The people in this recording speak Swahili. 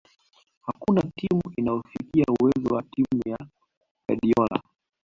Hakuna timu inayofikia uwezo wa timu ya Guardiola